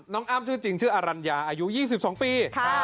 อ้ำชื่อจริงชื่ออรัญญาอายุ๒๒ปี